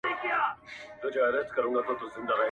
کور مي د بلا په لاس کي وليدی.